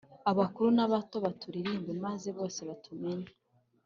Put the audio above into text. Abakuru n’abato baturirimbe maze bose batumenye